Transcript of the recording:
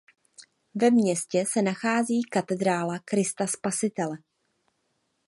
Ve městě se nachází katedrála Krista Spasitele.